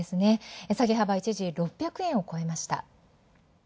下げ幅一時６００円を超えました。